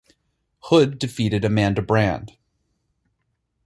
Hood defeated Amanda Brand.